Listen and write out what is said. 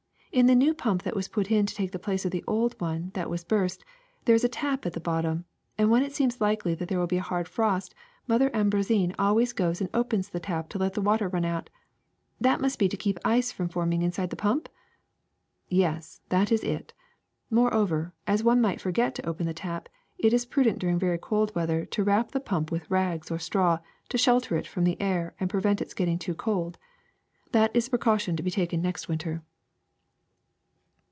In the new pump that was put in to take the place of the old one when that was burst, there is a tap at the bottom ; and when it seems likely that there will be a hard frost Mother Ambroisine always goes and opens the tap to let the water run out. That must be to keep ice from forming inside the pump?" ''Yes, that is it. Moreover, as one might forget to open the tap, it is prudent during very cold weather to wrap the pump with rags or straw to shelter it from the air and prevent its getting too cold. That is a precaution to be taken next winter."